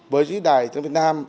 với đài trưởng việt nam